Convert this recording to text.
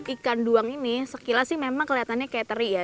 ikan duang ini sekilas sih memang kelihatannya kayak teri ya